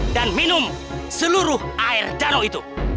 dan minum seluruh air danau itu